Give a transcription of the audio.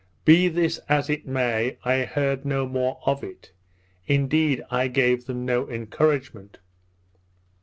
Be this as it may, I heard no more of it; indeed, I gave them no encouragement.